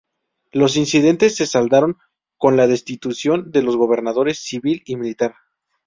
Los incidentes se saldaron con la destitución de los gobernadores civil y militar.